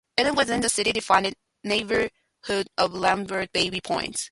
It is within the city-defined neighbourhood of 'Lambton-Baby Point.